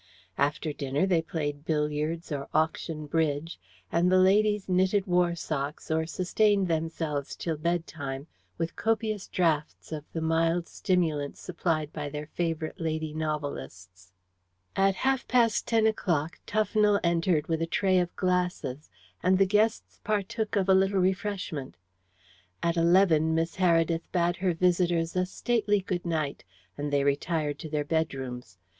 After dinner they played billiards or auction bridge, and the ladies knitted war socks or sustained themselves till bedtime with copious draughts of the mild stimulant supplied by their favourite lady novelists. At half past ten o'clock Tufnell entered with a tray of glasses, and the guests partook of a little refreshment. At eleven Miss Heredith bade her visitors a stately good night, and they retired to their bedrooms.